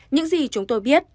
những gì chúng tôi biết